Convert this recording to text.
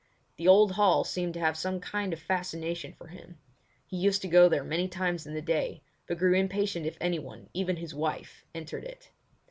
The old hall seemed to have some kind of fascination for him. He used to go there many times in the day, but grew impatient if anyone, even his wife, entered it.